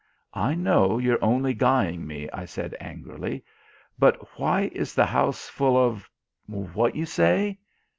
"I know you're only guying me," I said angrily, "but why is the house full of what you say?